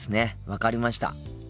分かりました。